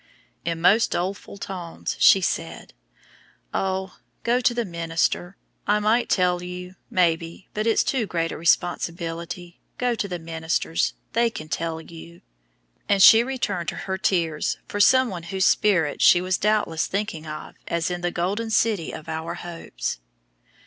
In most doleful tones she said, "Oh, go to the minister; I might tell you, may be, but it's too great a responsibility; go to the ministers, they can tell you!" And she returned to her tears for some one whose spirit she was doubtless thinking of as in the Golden City of our hopes.